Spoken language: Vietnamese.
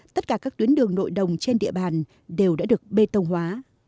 tất cả các tuyến đường nội đồng trên địa bàn đều đã được bê tông hóa